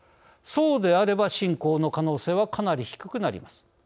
そうであれば侵攻の可能性はかなり低くなります。